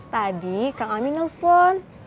tadi kang amin nelfon